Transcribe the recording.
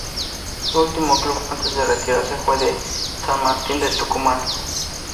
Su último club antes de retirarse fue San Martín de Tucumán.